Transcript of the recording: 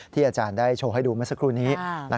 อาจารย์ได้โชว์ให้ดูเมื่อสักครู่นี้